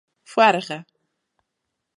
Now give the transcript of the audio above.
Foarige.